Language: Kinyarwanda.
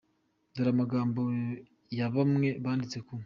Dore amagambo ya bamwe banditse ku.